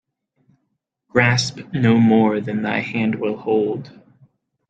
Grasp no more than thy hand will hold